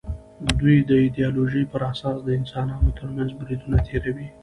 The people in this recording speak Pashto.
دوی د ایدیالوژۍ پر اساس د انسانانو تر منځ بریدونه تېروي